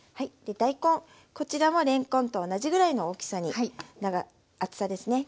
大根こちらもれんこんと同じぐらいの大きさに厚さですね